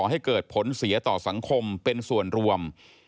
ให้เกิดผลเสียต่อสังคมเป็นส่วนรวม